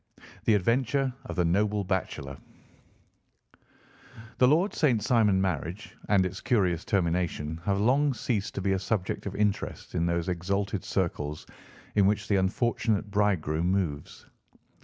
THE ADVENTURE OF THE NOBLE BACHELOR The Lord St. Simon marriage, and its curious termination, have long ceased to be a subject of interest in those exalted circles in which the unfortunate bridegroom moves.